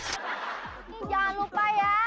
ini jangan lupa ya